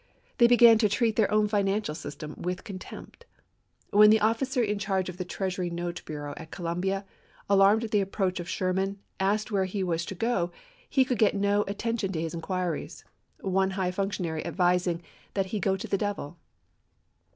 They began to treat their own financial system with contempt. When the officer in charge of the Treasury Note Bureau at Columbia, alarmed at the approach of Sherman, asked where he was to go, he could get no atten tion to his inquiries ; one high functionary advising that he go to the devil.